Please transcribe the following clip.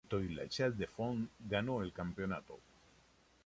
Etoile La Chaux-de-Fonds ganó el campeonato.